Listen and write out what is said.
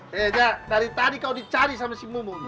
hei jak dari tadi kau dicari sama si mumu